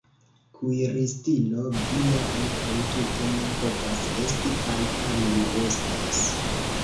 Kuiristino vi ja ankaŭ tute ne povas esti kaj tamen estas!